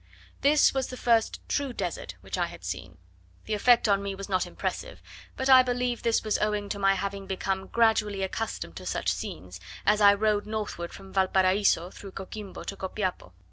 This was the first true desert which I had seen: the effect on me was not impressive; but I believe this was owing to my having become gradually accustomed to such scenes, as I rode northward from Valparaiso, through Coquimbo, to Copiapo.